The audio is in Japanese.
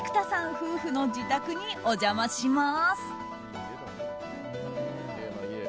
夫婦の自宅にお邪魔します。